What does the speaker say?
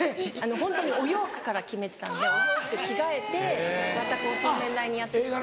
ホントにお洋服から決めてたんでお洋服着替えてまた洗面台にやって来て。